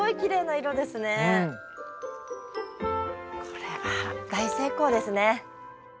これは大成功ですね。